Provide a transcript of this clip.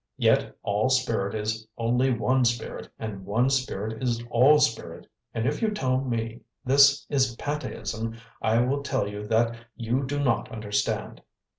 Yet all spirit is only one spirit and one spirit is all spirit and if you tell me this is Pant'eism I will tell you that you do not understand!"